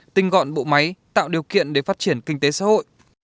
tinh gọn bộ máy tạo điều kiện để phát triển kinh tế xã hội